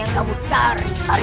sampai jumpa lagi